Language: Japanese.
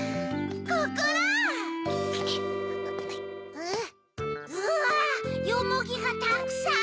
うわよもぎがたくさん！